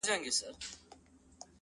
• لا د نمرودي زمانې لمبې د اور پاته دي,